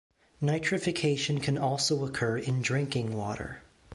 Nitrification can also occur in drinking water.